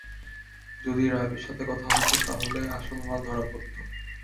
যদি রাভির সাথে কথা হতো, তাহলে আসল মাল ধরা পড়ত।